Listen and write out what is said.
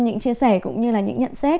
những chia sẻ cũng như là những nhận xét